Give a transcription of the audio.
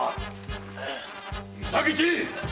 伊佐吉！